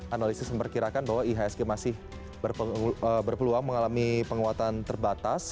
analisis memperkirakan bahwa ihsg masih berpeluang mengalami penguatan terbatas